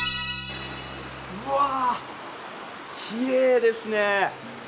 うわ、きれいですね。